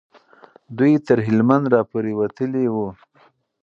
دوی تر هلمند را پورې وتلي وو.